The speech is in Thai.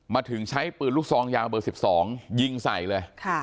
มาถึงใช้ปืนลูกซองยาวเบอร์๑๒ยิงใส่เลย